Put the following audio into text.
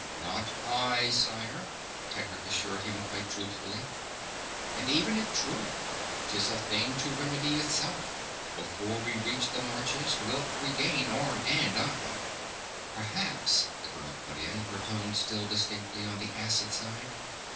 "Not I, sire!" Tedric assured him, quite truthfully. "And even if true, 'tis a thing to remedy itself. Before we reach the Marches wilt regain arm and eye." "Perhaps," the girl put in, her tone still distinctly on the acid side.